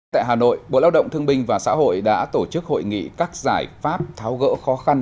tại hà nội bộ lao động thương binh và xã hội đã tổ chức hội nghị các giải pháp tháo gỡ khó khăn